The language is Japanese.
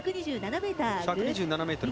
１２７ｍ。